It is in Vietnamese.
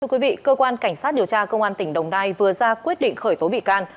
thưa quý vị cơ quan cảnh sát điều tra công an tỉnh đồng nai vừa ra quyết định khởi tố bị can